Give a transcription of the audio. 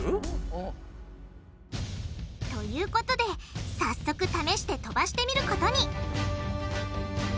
うん。ということで早速試して飛ばしてみることに！